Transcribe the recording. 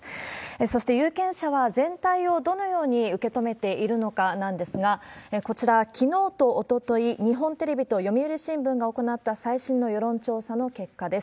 そして、有権者は全体をどのように受け止めているのかなんですが、こちら、きのうとおととい、日本テレビと読売新聞が行った最新の世論調査の結果です。